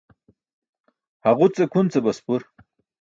Haġuce kʰun ce baspur.